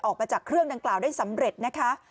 ออกมาจากเครื่องดังกล่าวได้สำเร็จนะคะ